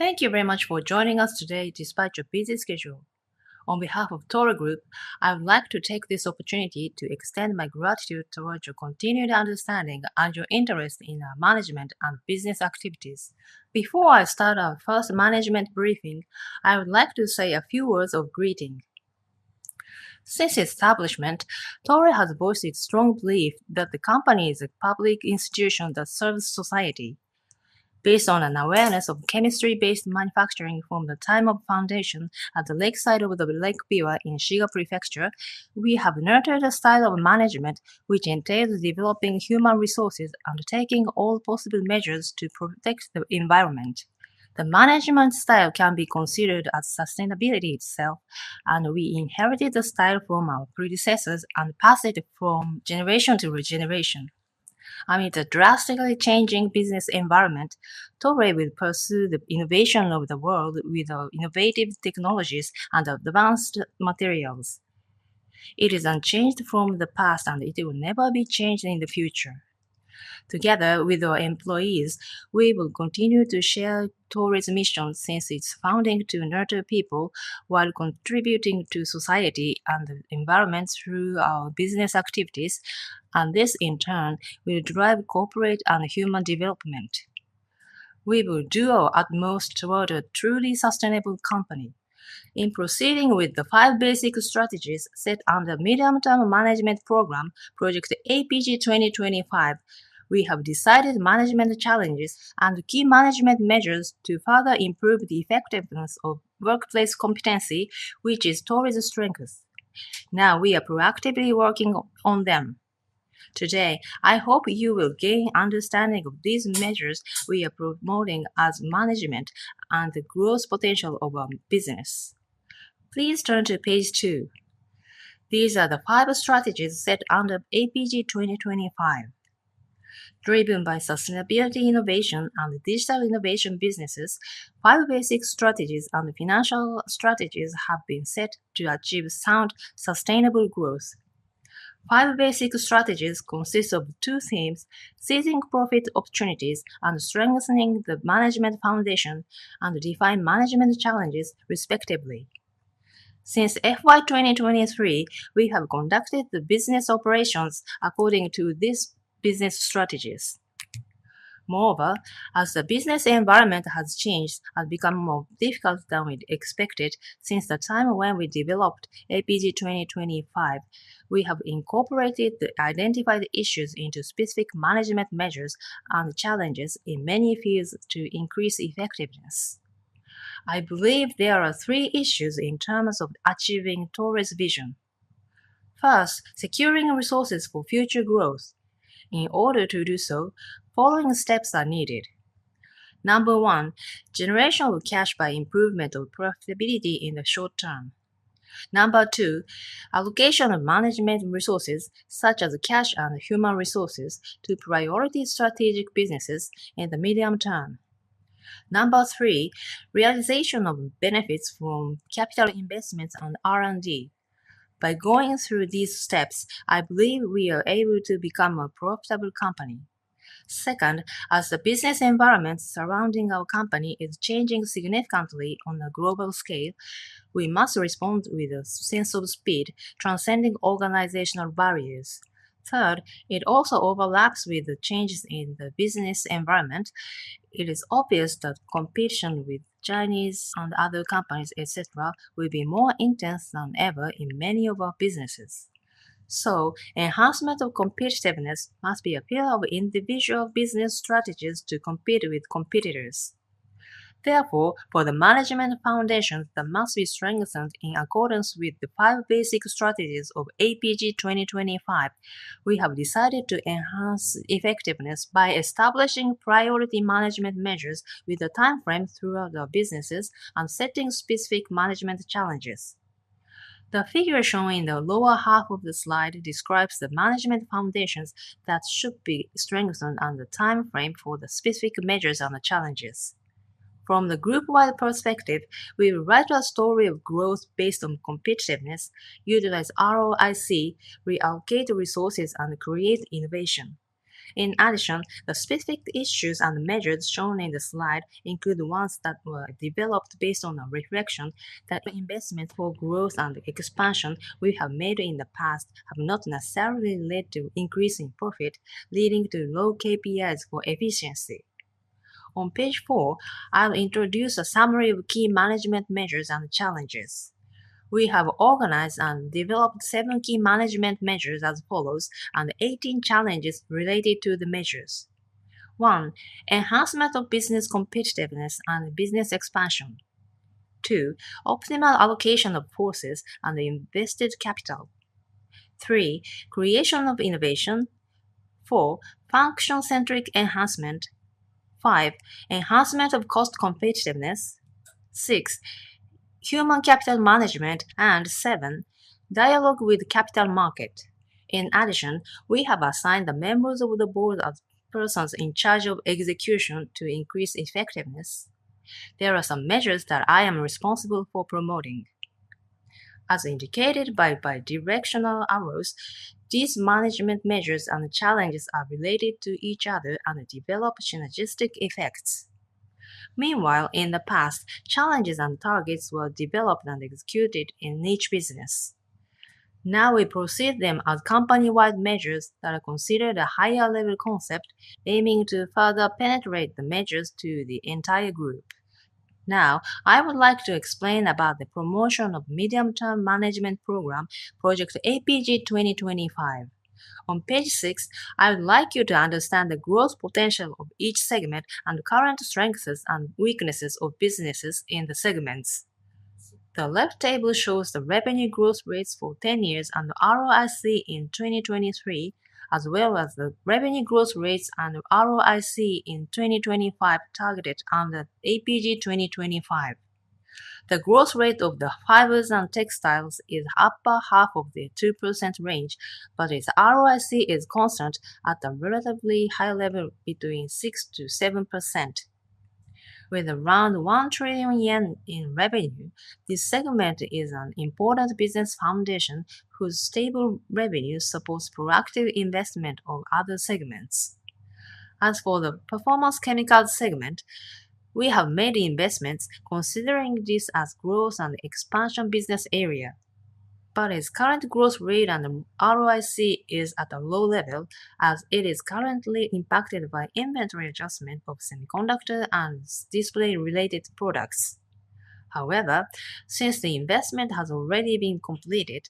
...Thank you very much for joining us today despite your busy schedule. On behalf of Toray Group, I would like to take this opportunity to extend my gratitude toward your continued understanding and your interest in our management and business activities. Before I start our first management briefing, I would like to say a few words of greeting. Since its establishment, Toray has voiced its strong belief that the company is a public institution that serves society. Based on an awareness of chemistry-based manufacturing from the time of foundation at the lakeside of Lake Biwa in Shiga Prefecture, we have nurtured a style of management, which entails developing human resources and taking all possible measures to protect the environment. The management style can be considered as sustainability itself, and we inherited the style from our predecessors and passed it from generation to generation. Amid the drastically changing business environment, Toray will pursue the innovation of the world with our innovative technologies and advanced materials. It is unchanged from the past, and it will never be changed in the future. Together with our employees, we will continue to share Toray's mission since its founding to nurture people while contributing to society and the environment through our business activities, and this in turn will drive corporate and human development. We will do our utmost toward a truly sustainable company. In proceeding with the five basic strategies set under medium-term management program, Project AP-G 2025, we have decided management challenges and key management measures to further improve the effectiveness of workplace competency, which is Toray's strength. Now, we are proactively working on them. Today, I hope you will gain understanding of these measures we are promoting as management and the growth potential of our business. Please turn to page two. These are the five strategies set under AP-G 2025. Driven by sustainability innovation and digital innovation businesses, five basic strategies and financial strategies have been set to achieve sound, sustainable growth. Five basic strategies consist of two themes: seizing profit opportunities and strengthening the management foundation, and define management challenges respectively. Since FY 2023, we have conducted the business operations according to these business strategies. Moreover, as the business environment has changed and become more difficult than we'd expected since the time when we developed AP-G 2025, we have incorporated the identified issues into specific management measures and challenges in many fields to increase effectiveness. I believe there are three issues in terms of achieving Toray's vision. First, securing resources for future growth. In order to do so, following steps are needed: number 1, generation of cash by improvement of profitability in the short term. Number 2, allocation of management resources, such as cash and human resources, to priority strategic businesses in the medium term. Number 3, realization of benefits from capital investments and R&D. By going through these steps, I believe we are able to become a profitable company. Second, as the business environment surrounding our company is changing significantly on a global scale, we must respond with a sense of speed, transcending organizational barriers. Third, it also overlaps with the changes in the business environment. It is obvious that competition with Chinese and other companies, et cetera, will be more intense than ever in many of our businesses. So enhancement of competitiveness must be a field of individual business strategies to compete with competitors. Therefore, for the management foundations that must be strengthened in accordance with the five basic strategies of AP-G 2025, we have decided to enhance effectiveness by establishing priority management measures with a timeframe throughout our businesses and setting specific management challenges. The figure shown in the lower half of the slide describes the management foundations that should be strengthened and the timeframe for the specific measures and the challenges. From the group-wide perspective, we will write a story of growth based on competitiveness, utilize ROIC, reallocate resources, and create innovation. In addition, the specific issues and measures shown in the slide include ones that were developed based on a reflection that investments for growth and expansion we have made in the past have not necessarily led to increase in profit, leading to low KPIs for efficiency. On page 4, I'll introduce a summary of key management measures and challenges. We have organized and developed 7 key management measures as follows, and 18 challenges related to the measures. 1, enhancement of business competitiveness and business expansion. 2, optimal allocation of forces and invested capital. 3, creation of innovation. 4, function-centric enhancement. 5, enhancement of cost competitiveness. 6, human capital management, and 7, dialogue with capital market. In addition, we have assigned the members of the board as persons in charge of execution to increase effectiveness. There are some measures that I am responsible for promoting. As indicated by bidirectional arrows, these management measures and challenges are related to each other and develop synergistic effects. Meanwhile, in the past, challenges and targets were developed and executed in each business. Now we proceed them as company-wide measures that are considered a higher level concept, aiming to further penetrate the measures to the entire group. Now, I would like to explain about the promotion of medium-term management program, Project AP-G 2025. On page six, I would like you to understand the growth potential of each segment and current strengths and weaknesses of businesses in the segments. The left table shows the revenue growth rates for 10 years and ROIC in 2023, as well as the revenue growth rates and ROIC in 2025, targeted under AP-G 2025. The growth rate of the fibers and textiles is upper half of the 2% range, but its ROIC is constant at a relatively high level between 6%-7%. With around 1 trillion yen in revenue, this segment is an important business foundation, whose stable revenue supports proactive investment of other segments. As for the performance chemicals segment, we have made investments considering this as growth and expansion business area. But its current growth rate and ROIC is at a low level, as it is currently impacted by inventory adjustment of semiconductor and display-related products. However, since the investment has already been completed,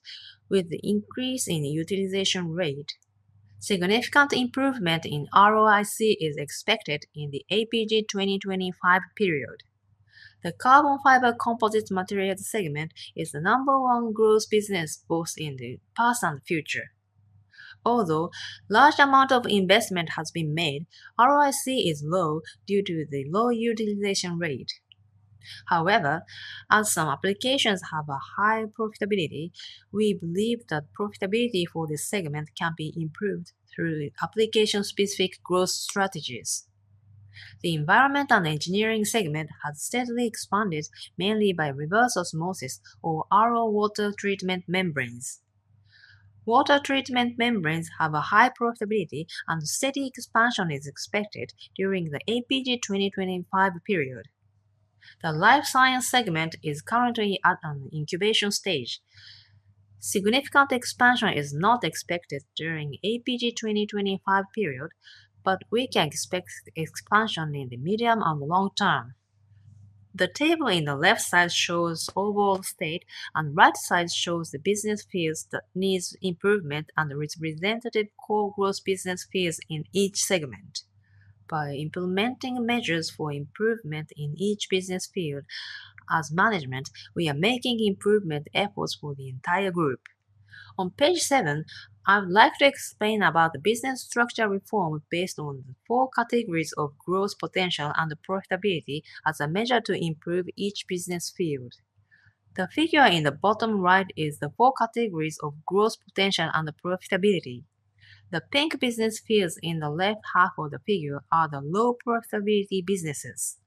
with the increase in utilization rate, significant improvement in ROIC is expected in the AP-G 2025 period. The carbon fiber composite materials segment is the number one growth business, both in the past and future. Although large amount of investment has been made, ROIC is low due to the low utilization rate. However, as some applications have a high profitability, we believe that profitability for this segment can be improved through application-specific growth strategies. The environment and engineering segment has steadily expanded, mainly by reverse osmosis or RO water treatment membranes. Water treatment membranes have a high profitability, and steady expansion is expected during the AP-G 2025 period. The life science segment is currently at an incubation stage. Significant expansion is not expected during AP-G 2025 period, but we can expect expansion in the medium and long term. The table in the left side shows overall state, and right side shows the business fields that needs improvement and representative core growth business fields in each segment. By implementing measures for improvement in each business field, as management, we are making improvement efforts for the entire group. On page 7, I would like to explain about the business structure reform based on the 4 categories of growth potential and profitability as a measure to improve each business field. The figure in the bottom right is the 4 categories of growth potential and profitability. The pink business fields in the left half of the figure are the low profitability businesses.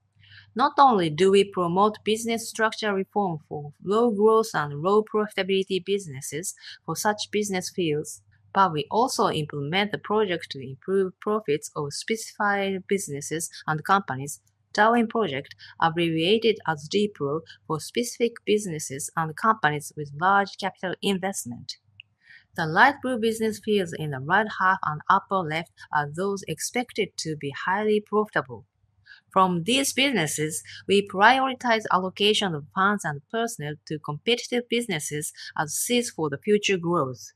Not only do we promote business structure reform for low growth and low profitability businesses for such business fields, but we also implement the project to improve profits of specified businesses and companies, Darwin Project, abbreviated as D-Pro, for specific businesses and companies with large capital investment. The light blue business fields in the right half and upper left are those expected to be highly profitable. From these businesses, we prioritize allocation of funds and personnel to competitive businesses as seeds for the future growth.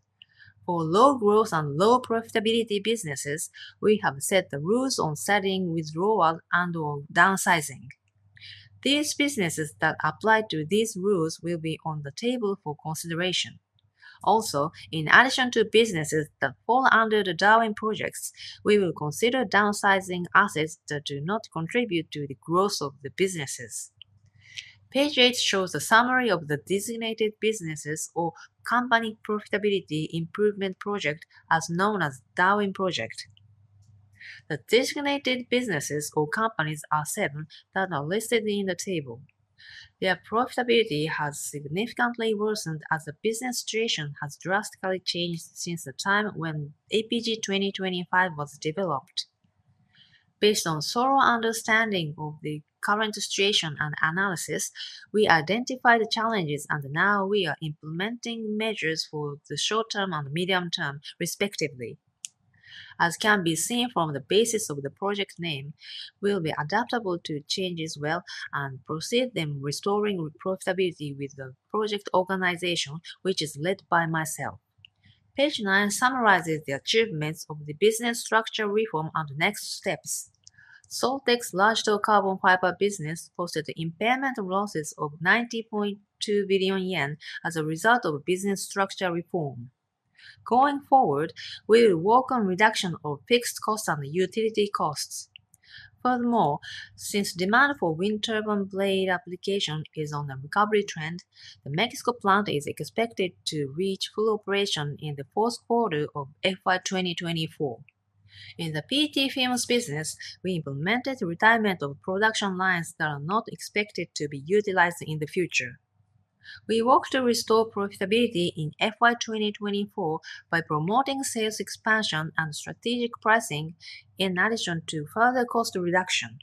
For low growth and low profitability businesses, we have set the rules on studying withdrawal and/or downsizing. These businesses that apply to these rules will be on the table for consideration. Also, in addition to businesses that fall under the Darwin Projects, we will consider downsizing assets that do not contribute to the growth of the businesses. Page eight shows the summary of the designated businesses or company profitability improvement project, as known as Darwin Project. The designated businesses or companies are seven, that are listed in the table. Their profitability has significantly worsened as the business situation has drastically changed since the time when AP-G 2025 was developed. Based on thorough understanding of the current situation and analysis, we identified the challenges, and now we are implementing measures for the short term and medium term, respectively. As can be seen from the basis of the project name, we'll be adaptable to changes well and proceed them restoring profitability with the project organization, which is led by myself. Page nine summarizes the achievements of the business structure reform and next steps. Toray's large tow carbon fiber business posted impairment losses of 90.2 billion yen as a result of business structure reform. Going forward, we will work on reduction of fixed costs and utility costs. Furthermore, since demand for wind turbine blade application is on a recovery trend, the Mexico plant is expected to reach full operation in the fourth quarter of FY 2024. In the PET Films business, we implemented retirement of production lines that are not expected to be utilized in the future. We work to restore profitability in FY 2024 by promoting sales expansion and strategic pricing, in addition to further cost reduction.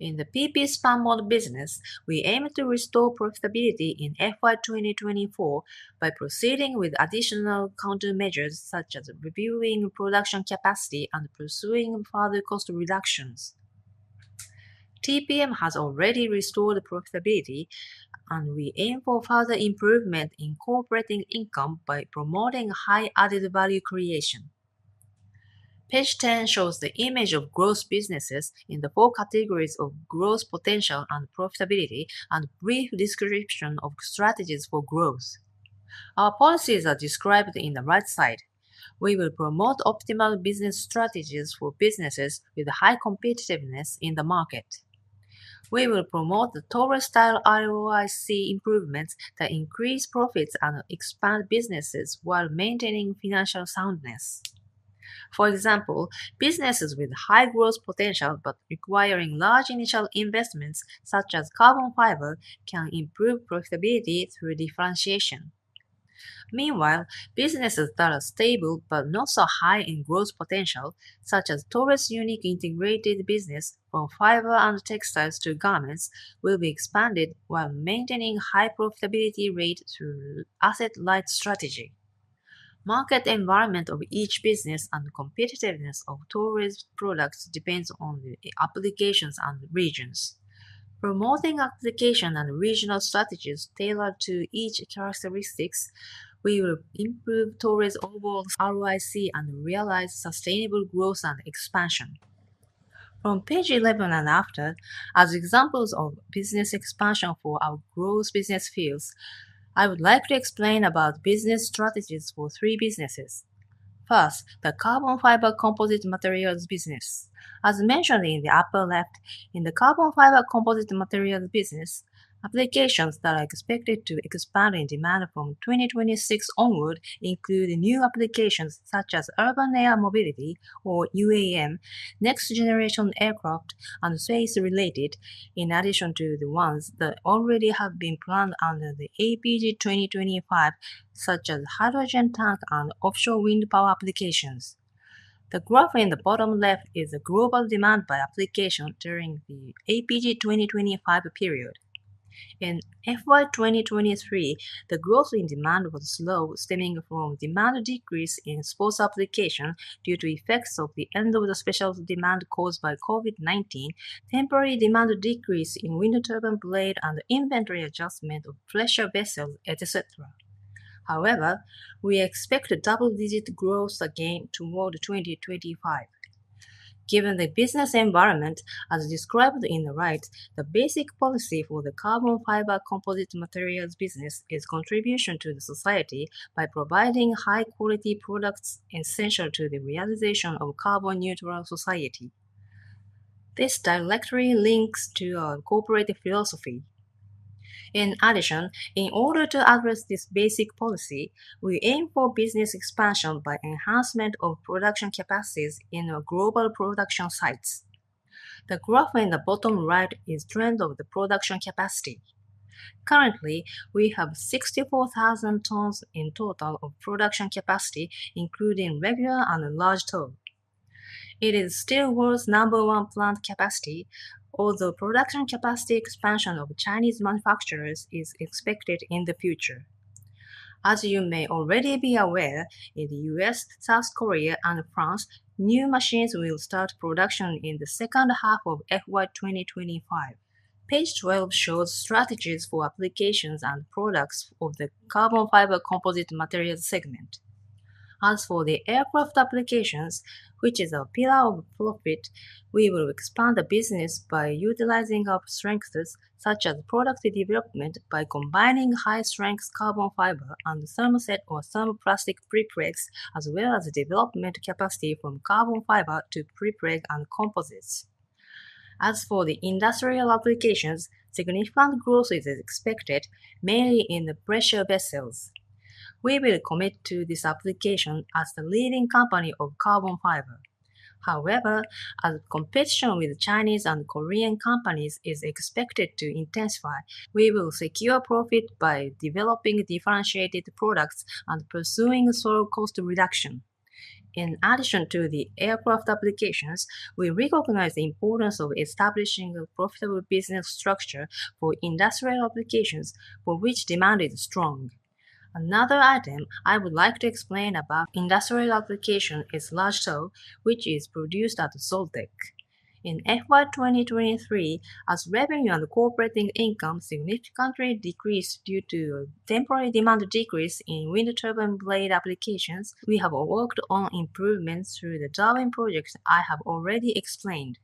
In the PP Spunbond business, we aim to restore profitability in FY 2024 by proceeding with additional countermeasures, such as reviewing production capacity and pursuing further cost reductions. TPM has already restored profitability, and we aim for further improvement in corporate income by promoting high added value creation. Page ten shows the image of growth businesses in the four categories of growth potential and profitability, and a brief description of strategies for growth. Our policies are described in the right side. We will promote optimal business strategies for businesses with high competitiveness in the market. We will promote the Toray-style ROIC improvements that increase profits and expand businesses while maintaining financial soundness. For example, businesses with high growth potential but requiring large initial investments, such as carbon fiber, can improve profitability through differentiation. Meanwhile, businesses that are stable but not so high in growth potential, such as Toray's unique integrated business from fiber and textiles to garments, will be expanded while maintaining high profitability rate through asset-light strategy. Market environment of each business and competitiveness of Toray's products depends on the applications and regions. Promoting application and regional strategies tailored to each characteristics, we will improve Toray's overall ROIC and realize sustainable growth and expansion. From page 11 and after, as examples of business expansion for our growth business fields, I would like to explain about business strategies for 3 businesses. First, the carbon fiber composite materials business. As mentioned in the upper left, in the carbon fiber composite materials business, applications that are expected to expand in demand from 2026 onward include new applications such as urban air mobility, or UAM, next-generation aircraft, and space related, in addition to the ones that already have been planned under the AP-G 2025, such as hydrogen tank and offshore wind power applications. The graph in the bottom left is the global demand by application during the AP-G 2025 period. In FY 2023, the growth in demand was slow, stemming from demand decrease in sports application due to effects of the end of the special demand caused by COVID-19, temporary demand decrease in wind turbine blade, and inventory adjustment of pressure vessels, et cetera. However, we expect a double-digit growth again toward 2025. Given the business environment, as described in the right, the basic policy for the carbon fiber composite materials business is contribution to the society by providing high-quality products essential to the realization of carbon neutral society. This directly links to our corporate philosophy. In addition, in order to address this basic policy, we aim for business expansion by enhancement of production capacities in our global production sites. The graph in the bottom right is trend of the production capacity. Currently, we have 64,000 tons in total of production capacity, including regular and large tow. It is still world's number one plant capacity, although production capacity expansion of Chinese manufacturers is expected in the future. As you may already be aware, in the U.S., South Korea, and France, new machines will start production in the second half of FY 2025. Page 12 shows strategies for applications and products of the carbon fiber composite materials segment. As for the aircraft applications, which is our pillar of profit, we will expand the business by utilizing our strengths, such as product development, by combining high-strength carbon fiber and thermoset or thermoplastic prepregs, as well as development capacity from carbon fiber to prepreg and composites. As for the industrial applications, significant growth is expected, mainly in the pressure vessels. We will commit to this application as the leading company of carbon fiber. However, as competition with Chinese and Korean companies is expected to intensify, we will secure profit by developing differentiated products and pursuing sole cost reduction. In addition to the aircraft applications, we recognize the importance of establishing a profitable business structure for industrial applications, for which demand is strong. Another item I would like to explain about industrial application is large tow, which is produced at Zoltek. In FY 2023, as revenue and operating income significantly decreased due to a temporary demand decrease in wind turbine blade applications, we have worked on improvements through the Darwin projects I have already explained.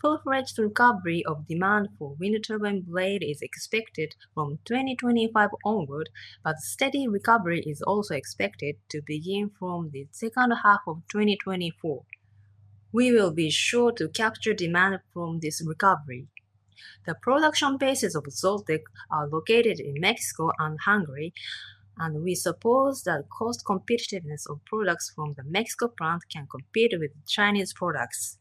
Full-fledged recovery of demand for wind turbine blade is expected from 2025 onward, but steady recovery is also expected to begin from the second half of 2024.... We will be sure to capture demand from this recovery. The production bases of Zoltek are located in Mexico and Hungary, and we suppose that cost competitiveness of products from the Mexico plant can compete with Chinese products.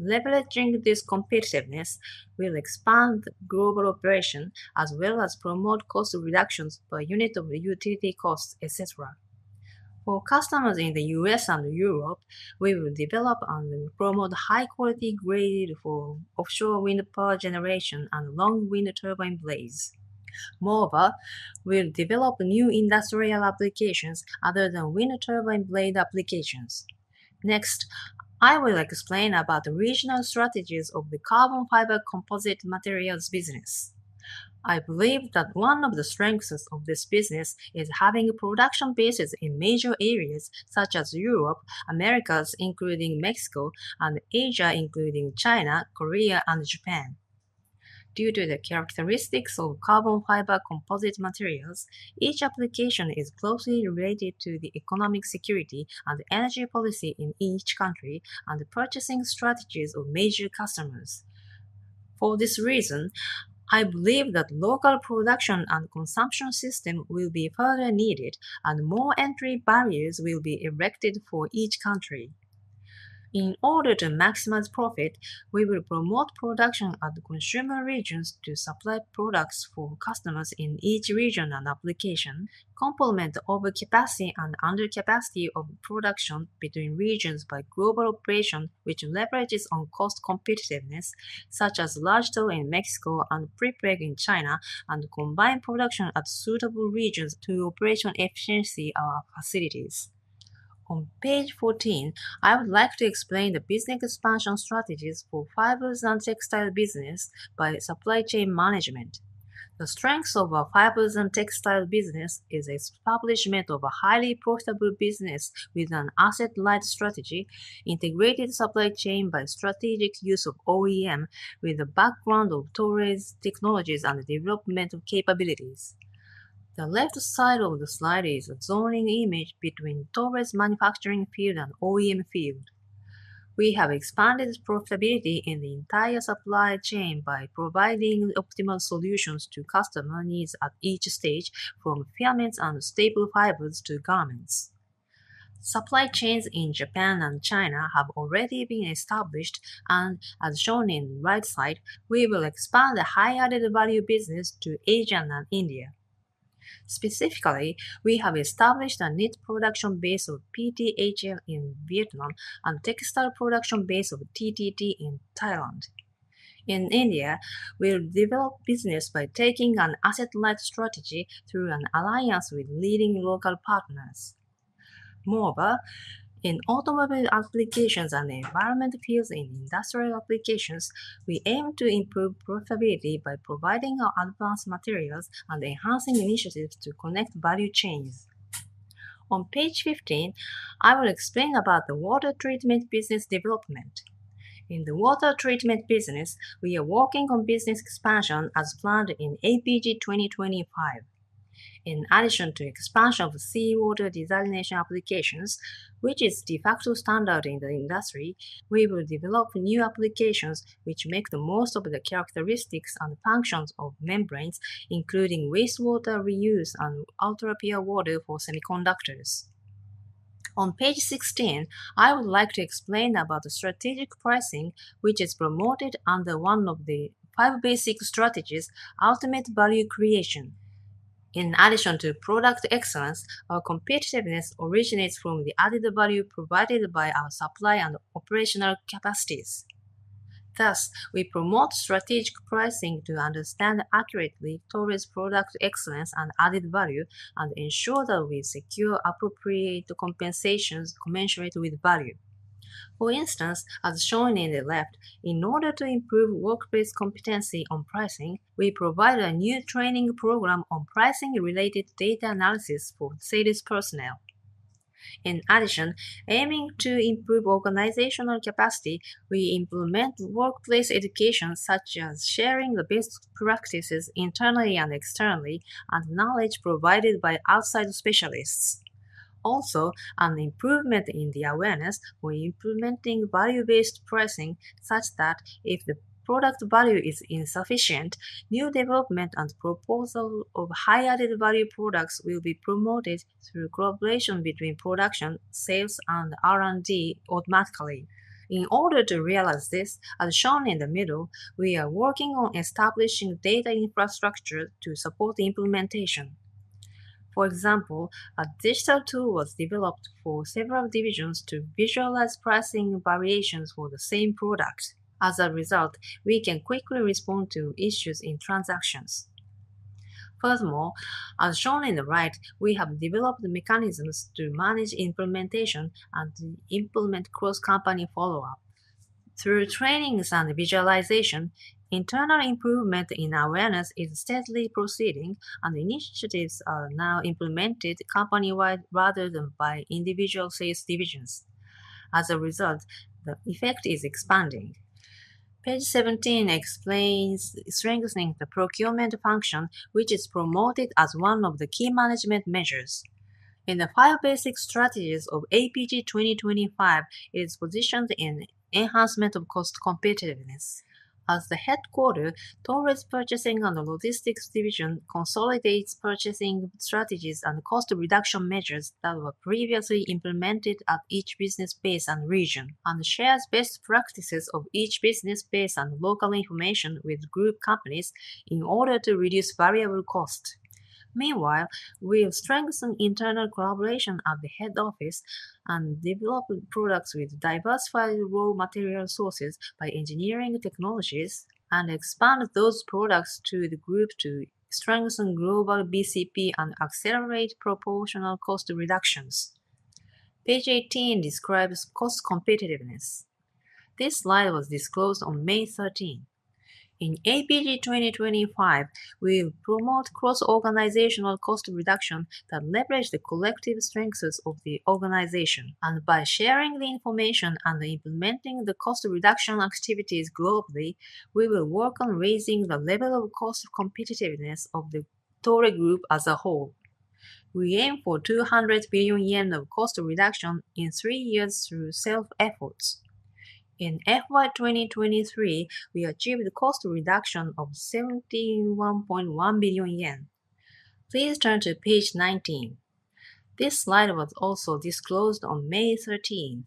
Leveraging this competitiveness will expand global operation, as well as promote cost reductions per unit of utility costs, et cetera. For customers in the U.S. and Europe, we will develop and promote high-quality grade for offshore wind power generation and long wind turbine blades. Moreover, we'll develop new industrial applications other than wind turbine blade applications. Next, I will explain about the regional strategies of the carbon fiber composite materials business. I believe that one of the strengths of this business is having production bases in major areas such as Europe, Americas, including Mexico, and Asia, including China, Korea, and Japan. Due to the characteristics of carbon fiber composite materials, each application is closely related to the economic security and energy policy in each country, and the purchasing strategies of major customers. For this reason, I believe that local production and consumption system will be further needed, and more entry barriers will be erected for each country. In order to maximize profit, we will promote production at the consumer regions to supply products for customers in each region and application, complement the overcapacity and undercapacity of production between regions by global operation, which leverages on cost competitiveness, such as large tow in Mexico and prepreg in China, and combine production at suitable regions to operate efficiently our facilities. On page 14, I would like to explain the business expansion strategies for fibers and textile business by supply chain management. The strengths of our fibers and textiles business is establishment of a highly profitable business with an asset-light strategy, integrated supply chain by strategic use of OEM, with a background of Toray's technologies and development of capabilities. The left side of the slide is a zoning image between Toray's manufacturing field and OEM field. We have expanded profitability in the entire supply chain by providing optimal solutions to customer needs at each stage, from filaments and staple fibers to garments. Supply chains in Japan and China have already been established, and as shown in the right side, we will expand the high added-value business to Asia and India. Specifically, we have established a knit production base of PTHL in Vietnam and textile production base of TTT in Thailand. In India, we'll develop business by taking an asset-light strategy through an alliance with leading local partners. Moreover, in automobile applications and environment fields in industrial applications, we aim to improve profitability by providing our advanced materials and enhancing initiatives to connect value chains. On page 15, I will explain about the water treatment business development. In the water treatment business, we are working on business expansion as planned in AP-G 2025. In addition to expansion of seawater desalination applications, which is de facto standard in the industry, we will develop new applications which make the most of the characteristics and functions of membranes, including wastewater reuse and ultrapure water for semiconductors. On page 16, I would like to explain about the strategic pricing, which is promoted under one of the five basic strategies, ultimate value creation. In addition to product excellence, our competitiveness originates from the added value provided by our supply and operational capacities. Thus, we promote strategic pricing to understand accurately Toray's product excellence and added value, and ensure that we secure appropriate compensations commensurate with value. For instance, as shown in the left, in order to improve workplace competency on pricing, we provide a new training program on pricing-related data analysis for sales personnel. In addition, aiming to improve organizational capacity, we implement workplace education such as sharing the best practices internally and externally, and knowledge provided by outside specialists. Also, an improvement in the awareness for implementing value-based pricing, such that if the product value is insufficient, new development and proposal of high added-value products will be promoted through collaboration between production, sales, and R&D automatically. In order to realize this, as shown in the middle, we are working on establishing data infrastructure to support the implementation. For example, a digital tool was developed for several divisions to visualize pricing variations for the same product. As a result, we can quickly respond to issues in transactions. Furthermore, as shown in the right, we have developed mechanisms to manage implementation and implement cross-company follow-up. Through trainings and visualization, internal improvement in awareness is steadily proceeding, and initiatives are now implemented company-wide rather than by individual sales divisions. As a result, the effect is expanding. Page 17 explains strengthening the procurement function, which is promoted as one of the key management measures. In the five basic strategies of AP-G 2025, it is positioned in enhancement of cost competitiveness. As the headquarters, Toray's Purchasing and Logistics Division consolidates purchasing strategies and cost reduction measures that were previously implemented at each business base and region, and shares best practices of each business base and local information with group companies in order to reduce variable costs. Meanwhile, we'll strengthen internal collaboration at the head office and develop products with diversified raw material sources by engineering technologies, and expand those products to the group to strengthen global BCP and accelerate proportional cost reductions. Page 18 describes cost competitiveness. This slide was disclosed on May thirteenth. In AP-G 2025, we will promote cross-organizational cost reduction that leverage the collective strengths of the organization, and by sharing the information and implementing the cost reduction activities globally, we will work on raising the level of cost competitiveness of the Toray Group as a whole. We aim for 200 billion yen of cost reduction in three years through self-efforts. In FY 2023, we achieved cost reduction of 71.1 billion yen. Please turn to page 19. This slide was also disclosed on May 13.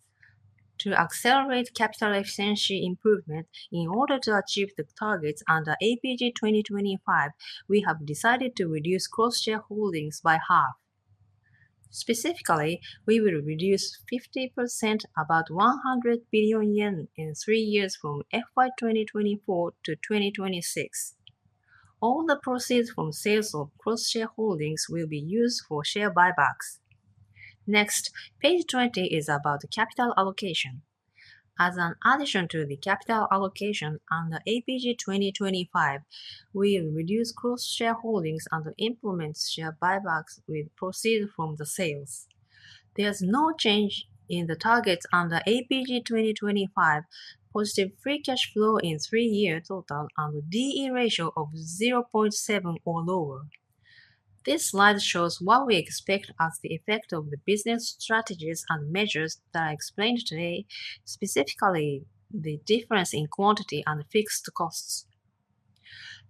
To accelerate capital efficiency improvement, in order to achieve the targets under AP-G 2025, we have decided to reduce cross-shareholdings by half. Specifically, we will reduce 50%, about 100 billion yen, in three years from FY 2024 to 2026. All the proceeds from sales of cross-shareholdings will be used for share buybacks. Next, page 20 is about capital allocation. As an addition to the capital allocation under AP-G 2025, we will reduce cross-shareholdings and implement share buybacks with proceeds from the sales. There's no change in the targets under AP-G 2025, positive free cash flow in 3-year total and a DE ratio of 0.7 or lower. This slide shows what we expect as the effect of the business strategies and measures that I explained today, specifically the difference in quantity and fixed costs.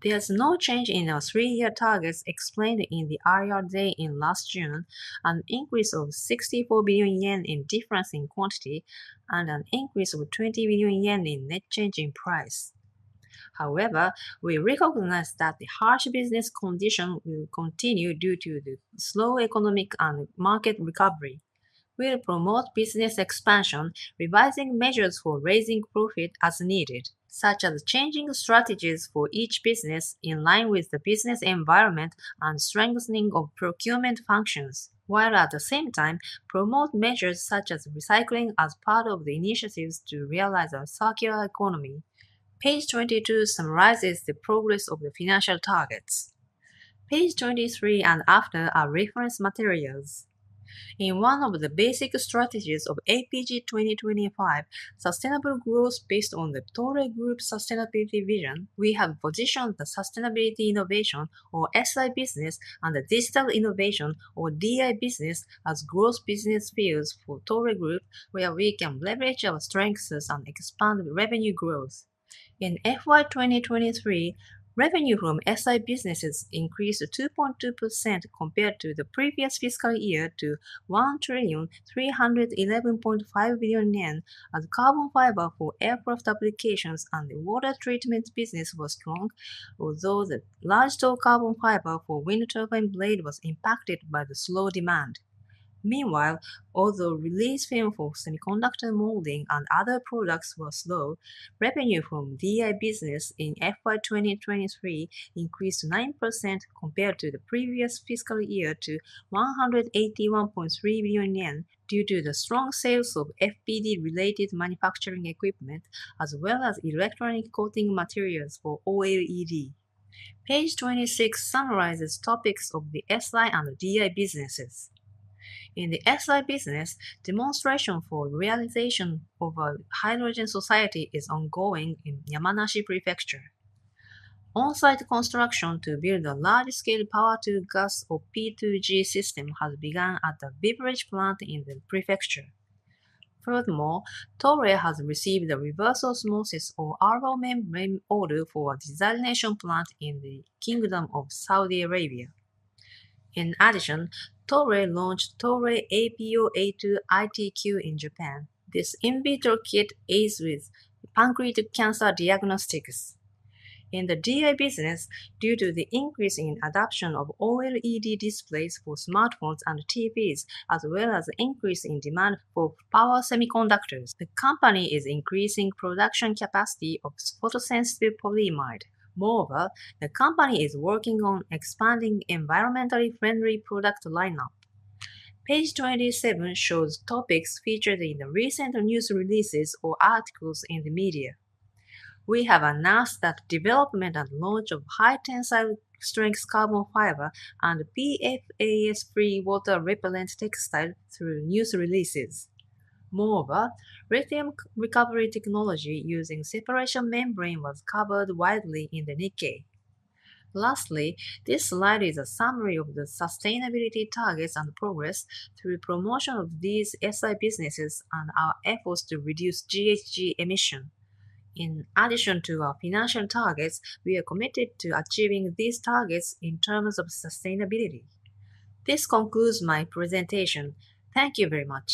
There's no change in our 3-year targets explained in the IR day in last June, an increase of 64 billion yen in difference in quantity, and an increase of 20 billion yen in net change in price. However, we recognize that the harsh business condition will continue due to the slow economic and market recovery. We'll promote business expansion, revising measures for raising profit as needed, such as changing strategies for each business in line with the business environment and strengthening of procurement functions, while at the same time promote measures such as recycling as part of the initiatives to realize our circular economy. Page 22 summarizes the progress of the financial targets. Page 23 and after are reference materials. In one of the basic strategies of AP-G 2025, sustainable growth based on the Toray Group sustainability vision, we have positioned the sustainability innovation, or SI business, and the digital innovation, or DI business, as growth business fields for Toray Group, where we can leverage our strengths and expand revenue growth. In FY 2023, revenue from SI businesses increased 2.2% compared to the previous fiscal year to 1,311.5 billion yen, as carbon fiber for aircraft applications and the water treatment business was strong, although the large tow carbon fiber for wind turbine blade was impacted by the slow demand. Meanwhile, although release film for semiconductor molding and other products were slow, revenue from DI business in FY 2023 increased 9% compared to the previous fiscal year to 181.3 billion yen, due to the strong sales of FPD-related manufacturing equipment, as well as electronic coating materials for OLED. Page 26 summarizes topics of the SI and DI businesses. In the SI business, demonstration for realization of a hydrogen society is ongoing in Yamanashi Prefecture. On-site construction to build a large-scale power-to-gas, or P2G, system has begun at a beverage plant in the prefecture. Furthermore, Toray has received a reverse osmosis, or RO, membrane order for a desalination plant in the Kingdom of Saudi Arabia. In addition, Toray launched Toray APOA-II-iTQ in Japan. This in vitro kit aids with pancreatic cancer diagnostics. In the DI business, due to the increase in adoption of OLED displays for smartphones and TVs, as well as increase in demand for power semiconductors, the company is increasing production capacity of photosensitive polyimide. Moreover, the company is working on expanding environmentally friendly product lineup. Page 27 shows topics featured in the recent news releases or articles in the media. We have announced that development and launch of high tensile strength carbon fiber and PFAS-free water-repellent textile through news releases. Moreover, lithium recovery technology using separation membrane was covered widely in The Nikkei. Lastly, this slide is a summary of the sustainability targets and progress through promotion of these SI businesses and our efforts to reduce GHG emission. In addition to our financial targets, we are committed to achieving these targets in terms of sustainability. This concludes my presentation. Thank you very much!